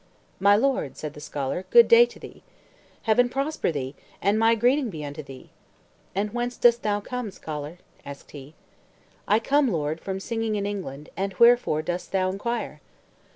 "My lord," said the scholar, "good day to thee." "Heaven prosper thee, and my greeting be unto thee! And whence dost thou come, scholar?" asked he. "I come, lord, from singing in England; and wherefore dost thou inquire?"